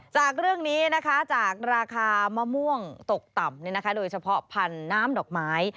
จากเรื่องนี้นะคะจากราคามะม่วงตกต่ำโดยเฉพาะพันธุ์น้ำดอกไม้